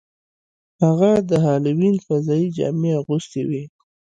هغه د هالووین فضايي جامې اغوستې وې